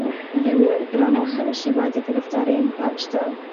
هغې وویل: ګرانه، هره شیبه د ګرفتارۍ امکان شته.